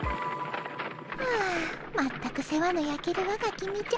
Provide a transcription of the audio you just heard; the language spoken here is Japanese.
はあ全く世話のやけるわがきみじゃ。